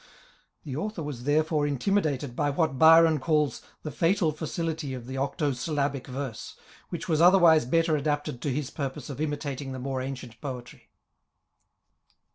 The Author was therefore intimi dated by what Byron calls the " fafcal facility" of the octo syllabic verse, which was otherwise better adapted to his purpose of imitating the more ancient poetry.